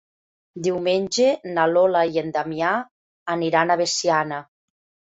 Diumenge na Lola i en Damià aniran a Veciana.